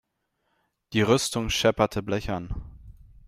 Die Rüstung schepperte blechern.